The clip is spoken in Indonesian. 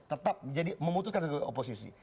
tetap jadi memutuskan ke oposisi